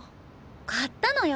買ったのよ。